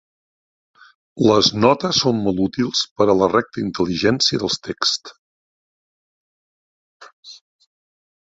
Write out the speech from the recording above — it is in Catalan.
Les notes són molt útils per a la recta intel·ligència dels texts.